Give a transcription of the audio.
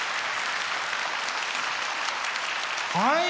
はい。